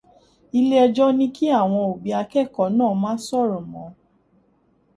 Iléẹjọ́ ní kí àwọn òbí akẹ́kọ̀ọ́ náà má sọ̀rọ̀ mọ́.